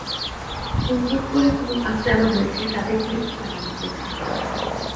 সুন্দর করে চুল আঁচড়ানো হয়েছে; তাতে ক্লিপও লাগানো হয়েছে।